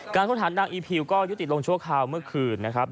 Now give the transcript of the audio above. โทษฐานนางอีพิวก็ยุติลงชั่วคราวเมื่อคืนนะครับ